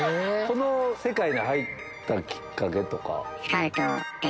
この世界に入ったきっかけとか。